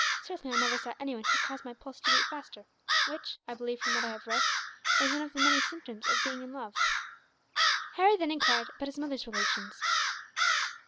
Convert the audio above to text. Certainly I never saw anyone who caused my pulse to beat faster; which I believe, from what I have read, is one of the many symptoms of being in love." Harry then enquired about his mother's relations.